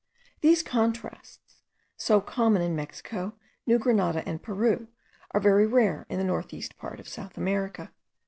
These contrasts, so common in Mexico, New Grenada, and Peru, are very rare in the north east part of South America.